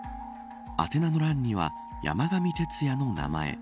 宛名の欄には山上徹也の名前。